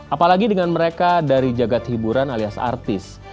apalagi dengan mereka dari jagad hiburan alias artis